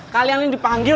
kalian ini di panggung